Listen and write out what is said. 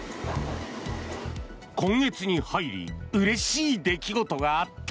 今月に入りうれしい出来事があった。